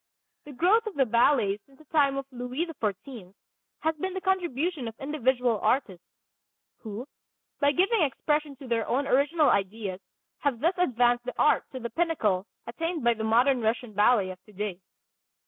The growth of the ballet since the time of Louis XIV has been the contribution of individual artists, who by giving expression to their own original ideas have thus advanced the art to the pinnacle attained by the modern Russian ballet of today.